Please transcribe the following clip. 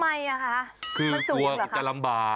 ทำไมคะมันสูงเหรอคะ